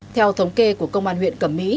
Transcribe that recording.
theo thống kê của công an huyện cẩm mỹ